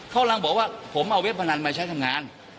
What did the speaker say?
เขากำลังบอกว่าผมเอาเว็บพนันมาใช้ทำงาน